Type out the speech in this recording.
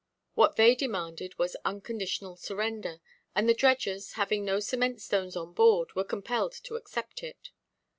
What they demanded was "unconditional surrender;" and the dredgers, having no cement–stones on board, were compelled to accept it.